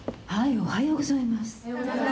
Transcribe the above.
おはようございます。